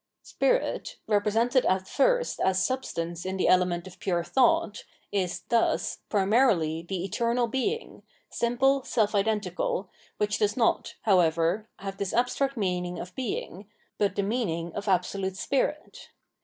Spirit, represented at first as substance in the ele ment of pure thought, is, thus, primarily the eternal Being, simple, self identical, which does not, however. 778 Phenomenology of Mind have this abstract meaning of Being, but the meaning of Absolute Spirit.